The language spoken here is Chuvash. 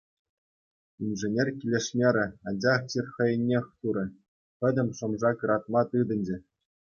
Инженер килӗшмерӗ, анчах чир хӑйӗннех турӗ, пӗтӗм шӑм-шак ыратма тытӑнчӗ.